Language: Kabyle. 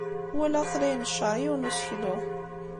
Walaɣ-t la inecceṛ yiwen n useklu.